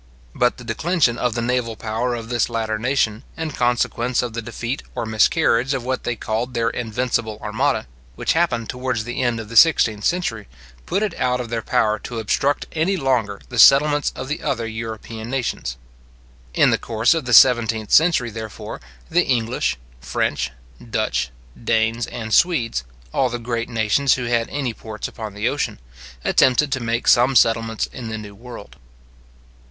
But the declension of the naval power of this latter nation, in consequence of the defeat or miscarriage of what they called their invincible armada, which happened towards the end of the sixteenth century, put it out of their power to obstruct any longer the settlements of the other European nations. In the course of the seventeenth century, therefore, the English, French, Dutch, Danes, and Swedes, all the great nations who had any ports upon the ocean, attempted to make some settlements in the new world.